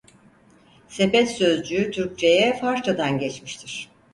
Sepet sözcüğü Türkçeye Farsçadan geçmiştir.